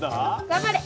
頑張れ！